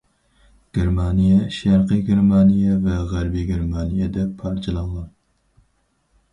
گېرمانىيە« شەرقىي گېرمانىيە» ۋە« غەربىي گېرمانىيە» دەپ پارچىلانغان.